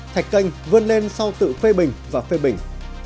thạch canh vươn lên sau tự phê bình và phê bình